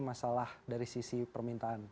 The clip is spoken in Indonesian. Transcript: masalah dari sisi permintaan